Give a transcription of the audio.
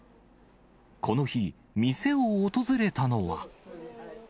この日、店を訪れたのは。